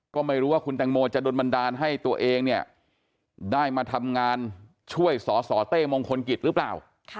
ก็ไม่รู้ว่าคุณแตงโมจะโดนบันดาลให้ตัวเองเนี่ยได้มาทำงานช่วยสสเต้มงคลกิจหรือเปล่า